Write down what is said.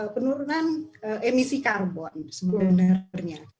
penurunan emisi karbon sebenarnya